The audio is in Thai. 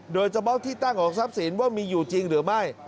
โดยเฉพาะที่ตั้งของทรัพย์สินว่ามีอยู่จริงหรือไม่